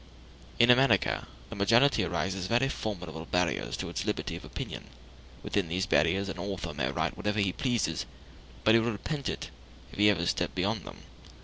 In America the majority raises very formidable barriers to the liberty of opinion: within these barriers an author may write whatever he pleases, but he will repent it if he ever step beyond them.